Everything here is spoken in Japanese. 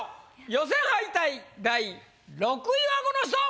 予選敗退第６位はこの人！